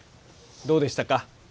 どうでしたか？